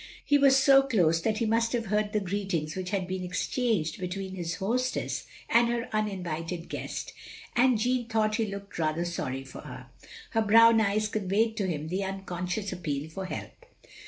He was so close that he must have heard the greetings which had been exchanged between his hostess and her un invited guest, and Jeanne thought he looked rather sorry for her; her brown eyes conveyed to him an unconscious appeal for help.